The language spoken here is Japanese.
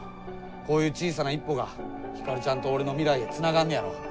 こういう小さな一歩がヒカルちゃんと俺の未来へつながんねやろ！